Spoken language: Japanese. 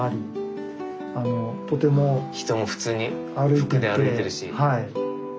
人も普通に服で歩いてるし。